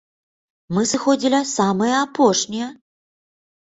Мы сыходзілі самыя апошнія.